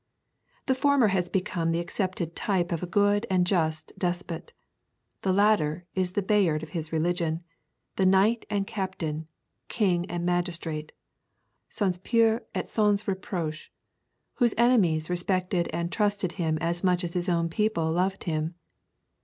The former has become the accepted type of a good and just despot; the latter is the Bayard of his religion, the knight and captain, king and magistrate, sans peur et sans reproche; whose enemies respected and trusted him as much as his own people loved him.